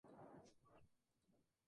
Ejecución de María Antonieta